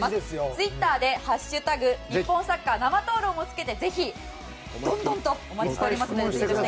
ツイッターで「＃日本サッカー生討論」をつけてぜひ、どんどんとお待ちしております。